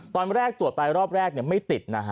ตอนแรกตรวจไปรอบแรกไม่ติดนะฮะ